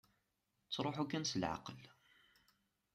Ttruḥu kan s leɛqel.